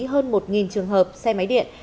hơn một trường hợp xe máy điện